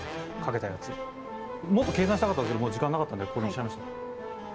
もっと計算したかったですけどもう時間なかったんでこれにしちゃいました。